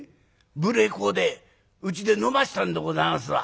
無礼講でうちで飲ましたんでございますわ。